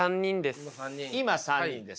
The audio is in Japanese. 今３人です。